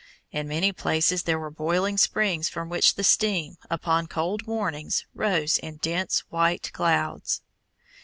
In many places there were boiling springs from which the steam, upon cold mornings, rose in dense white clouds.